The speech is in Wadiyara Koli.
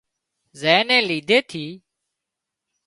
زين نين ليڌي ٿِي